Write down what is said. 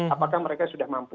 apakah mereka sudah mampu